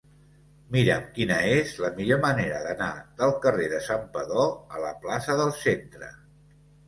Mira'm quina és la millor manera d'anar del carrer de Santpedor a la plaça del Centre.